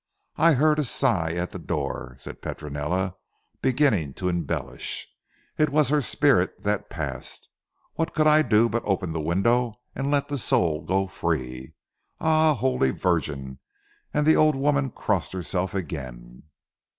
I heard a sigh at the door," said Petronella beginning to embellish. "It was her spirit that passed. What could I do but open the window to let the soul go free? Ah Holy Virgin!" and the old woman crossed herself again.